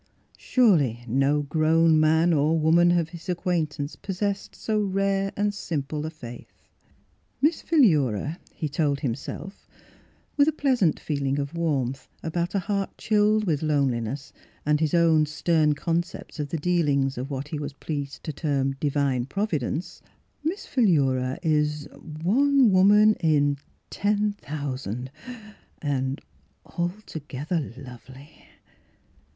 Surely no grown man or woman of his acquaintance possessed so rare and simple a faith. " Miss Philura," he told himself with a pleasant feeling of warmth about a heart chilled with loneliness and his own stern concepts of the dealings of what he was pleased to term " Divine Providence," " Miss Philura is — ah — one woman in ten thousand, — er — and altogether lovely."